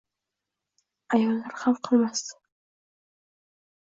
Ayollar ham qilmasdi.